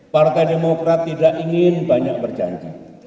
partai demokrat tidak ingin banyak berjanji